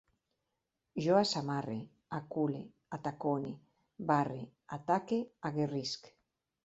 Jo assamarre, acule, atacone, barre, ataque, aguerrisc